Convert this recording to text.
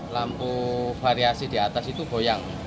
lampu variasi di atas itu goyang